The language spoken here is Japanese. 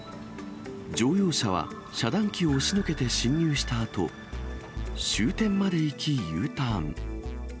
乗用車は遮断機を押しのけて進入したあと、終点まで行き、Ｕターン。